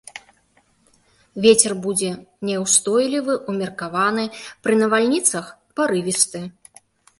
Вецер будзе няўстойлівы ўмеркаваны, пры навальніцах парывісты.